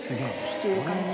弾ける感じ。